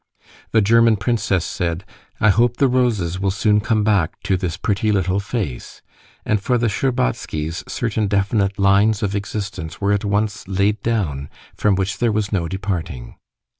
The German princess said, "I hope the roses will soon come back to this pretty little face," and for the Shtcherbatskys certain definite lines of existence were at once laid down from which there was no departing.